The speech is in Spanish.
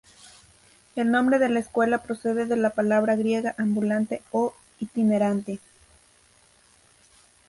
El nombre de la escuela procede de la palabra griega ‘ambulante’ o ‘itinerante’.